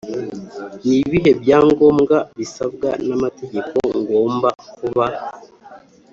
Ni ibihe byangombwa bisabwa n amategeko ngomba kuba